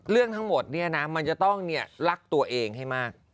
เรื่องทั้งหมดมันจะต้องรักตัวเองให้มาก